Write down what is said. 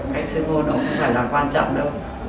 cách sưng hô nó không phải là quan trọng đâu